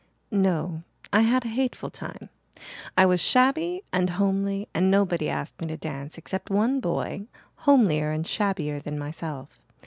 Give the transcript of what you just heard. "No. I had a hateful time. I was shabby and homely and nobody asked me to dance except one boy, homelier and shabbier than myself.